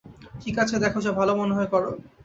ঠিক আছে, দেখো যা ভালো মনে হয় করো।